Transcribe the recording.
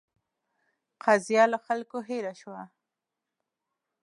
قضیه له خلکو هېره شوه.